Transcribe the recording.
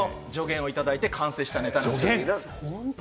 高橋さんの助言をいただいて完成したネタなんです。